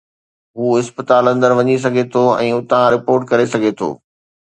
هو اسپتال اندر وڃي سگهي ٿو ۽ اتان رپورٽ ڪري سگهي ٿو.